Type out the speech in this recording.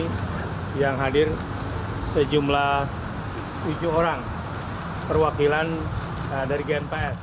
kami yang hadir sejumlah tujuh orang perwakilan dari gmpf